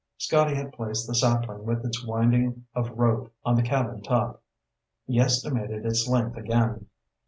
Scotty had placed the sapling with its winding of rope on the cabin top. He estimated its length again.